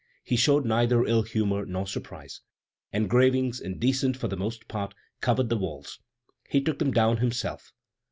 He showed neither ill humor nor surprise. Engravings, indecent for the most part, covered the walls. He took them down himself.